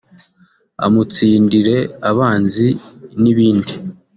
amutsindire abanzi n’ibindi